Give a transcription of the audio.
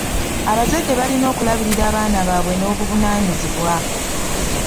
Abazadde balina okulabirira abaana baabwe n'obuvunaanyizibwa..